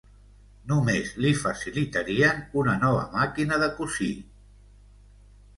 Només li facilitarien una nova màquina de cosir...